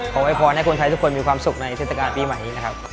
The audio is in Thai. โวยพรให้คนไทยทุกคนมีความสุขในเทศกาลปีใหม่นี้นะครับ